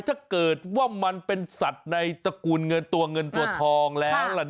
ถ้าเกิดว่ามันเป็นสัตว์ในตระกูลเงินตัวเงินตัวทองแล้วล่ะ